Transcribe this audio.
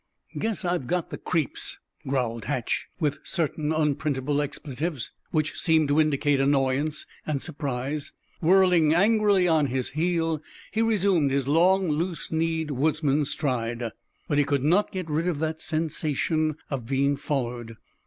"Guess I've got the creeps," growled Hatch, with certain unprintable expletives, which seemed to indicate annoyance and surprise. Whirling angrily on his heel, he resumed his long, loose kneed woodsman's stride. But he could not get rid of that sensation of being followed.